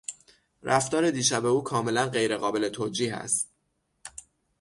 رفتار دیشب او کاملا غیر قابل توجیه است.